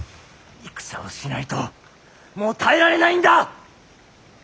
戦をしないともう耐えられないんだ！